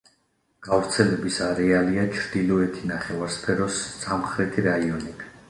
გავრცელების არეალია ჩრდილოეთი ნახევარსფეროს სამხრეთი რაიონები.